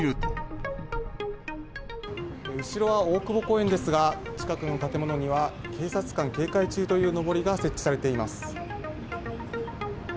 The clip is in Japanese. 後ろは大久保公園ですが、近くの建物には、警察官警戒中というのぼりが設置されています。